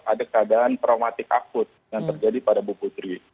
ada keadaan traumatik akut yang terjadi pada bu putri